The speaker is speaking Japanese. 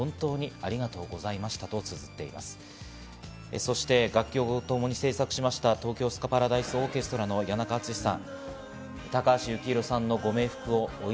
そして、楽曲をともに制作しました、東京スカパラダイスオーケストラの谷中敦さん。